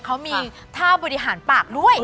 เขามีท่าบริหารปากด้วย